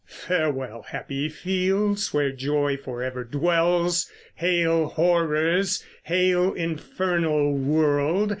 Farewell, happy fields, Where joy forever dwells! Hail, horrors! hail, Infernal World!